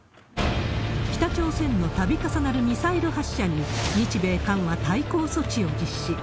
北朝鮮のたび重なるミサイル発射に、日米韓は対抗措置を実施。